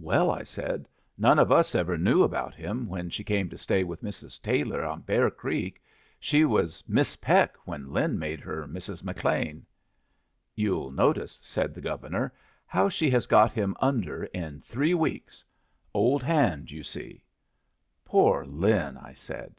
"Well," I said, "none of us ever knew about him when she came to stay with Mrs. Taylor on Bear Creek. She was Miss Peck when Lin made her Mrs. McLean." "You'll notice," said the Governor, "how she has got him under in three weeks. Old hand, you see." "Poor Lin!" I said.